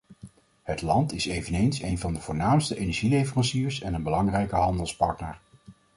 Het land is eveneens een van de voornaamste energieleveranciers en een belangrijke handelspartner.